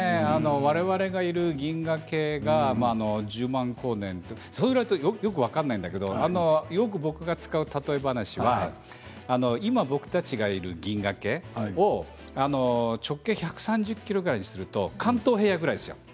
我々がいる銀河系が１０万光年よく分からないんだけど僕が使うたとえ話は今、僕たちがいる銀河系を直径１３０ｋｍぐらいにすると関東平野ぐらいですよ。